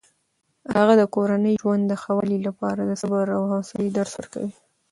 هغه د کورني ژوند د ښه والي لپاره د صبر او حوصلې درس ورکوي.